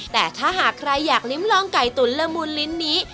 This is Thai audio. แต่ถ้าหากใครอยากลิ้มลองไก่ตุ๋นละมุนลิ้นนี้